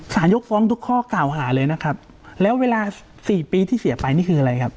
ยกฟ้องทุกข้อกล่าวหาเลยนะครับแล้วเวลาสี่ปีที่เสียไปนี่คืออะไรครับ